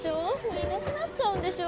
いなくなっちゃうんでしょ？